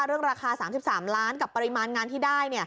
เรื่องราคา๓๓ล้านกับปริมาณงานที่ได้